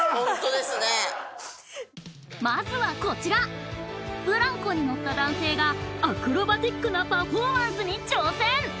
まずはこちらブランコに乗った男性がアクロバティックなパフォーマンスに挑戦